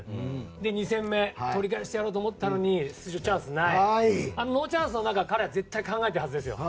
で、２戦目取り返してやろうと思ったのに出場チャンスがないノーチャンスの中彼は絶対考えてるはずですよ。